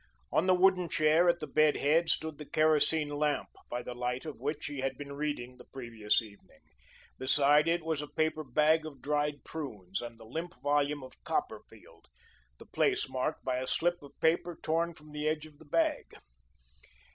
On the wooden chair at the bed head, stood the kerosene lamp, by the light of which he had been reading the previous evening. Beside it was a paper bag of dried prunes, and the limp volume of "Copperfield," the place marked by a slip of paper torn from the edge of the bag.